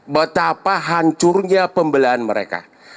betapa hancurnya pembelahan mereka